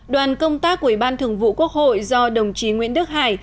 đoàn công tác của ủy ban thường vụ quốc hội do đồng chí nguyễn đức hải